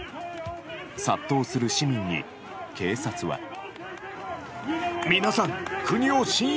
殺到する市民に、警察は。